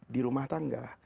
di rumah tangga